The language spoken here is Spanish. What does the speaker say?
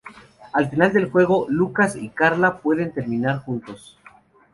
Al final del juego, Lucas y Carla pueden terminar juntos.